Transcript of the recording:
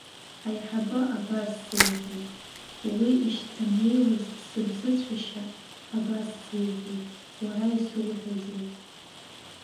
Аиҳабы абас сеиҳәеит, уи ишьҭанеиуаз сыбзыцәашьа абас сеиҳәеит, уара исоуҳәозеи?